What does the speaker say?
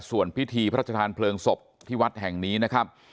ส่วนพิธีพระราชทานเพลิงศพที่วัดแห่งนี้นะครับ